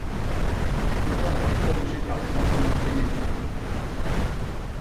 Les devoirs étaient corrigés par des enseignants bénévoles.